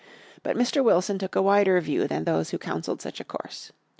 But Mr. Wilson took a wider view than those who counseled such a course.